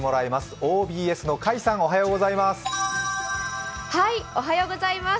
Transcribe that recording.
ＯＢＳの甲斐さんおはようございます。